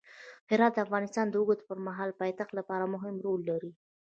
هرات د افغانستان د اوږدمهاله پایښت لپاره مهم رول لري.